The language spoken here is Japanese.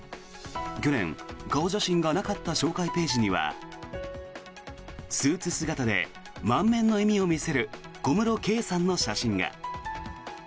去年、顔写真がなかった紹介ページにはスーツ姿で満面の笑みを見せる小室圭さんの写真が。